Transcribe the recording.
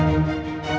silakan pak komar